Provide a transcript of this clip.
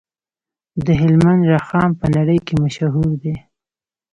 د هلمند رخام په نړۍ کې مشهور دی